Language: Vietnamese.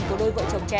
của đôi vợ chồng trẻ